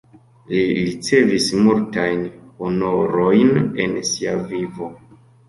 Li ricevis multajn honorojn en sia vivo.